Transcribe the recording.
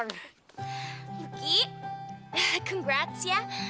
lucky kongrasi ya